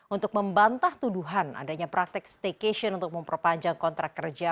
untuk membantah tuduhan adanya praktek staycation untuk memperpanjang kontrak kerja